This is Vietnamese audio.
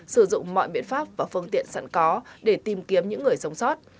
sử dụng mọi biện pháp và phương tiện sẵn có để tìm kiếm những người sống sót